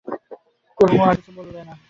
কুমু আর কিছু বললে না।